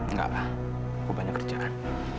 nggak apa aku banyak kerjaan